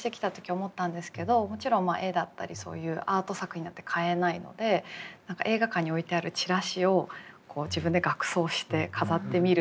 もちろん絵だったりそういうアート作品だって買えないので映画館に置いてあるチラシを自分で額装して飾ってみるとか